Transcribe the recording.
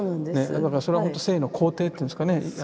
だからそれは生の肯定っていうんですかね。